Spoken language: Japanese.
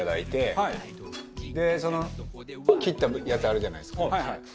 その切ったやつあるじゃないですか。